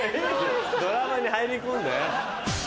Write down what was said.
ドラマに入り込むなよ。